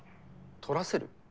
撮らせる？